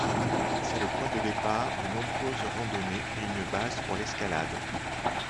C'est le point de départ de nombreuses randonnées et une base pour l'escalade.